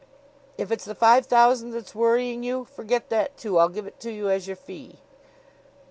If it's the five thousand that's worrying you, forget that too. I'll give it to you as your fee."